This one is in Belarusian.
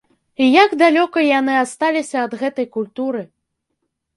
І як далёка яны асталіся ад гэтай культуры!